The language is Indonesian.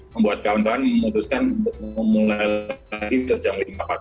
membuat kawan kawan memutuskan untuk mulai lagi ke jam lima